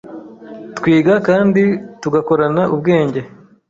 twiga kandi tugakorana ubwenge.